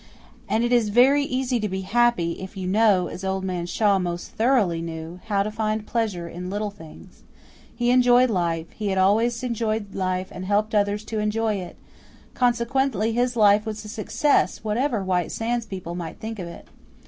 And it is very easy to be happy if you know, as Old Man Shaw most thoroughly knew, how to find pleasure in little things. He enjoyed life, he had always enjoyed life and helped others to enjoy it; consequently his life was a success, whatever White Sands people might think of it.